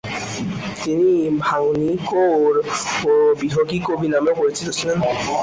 তিনি “ভাঙনি কোওর” ও “বিহগি কবি” নামেও পরিচিত ছিলেন।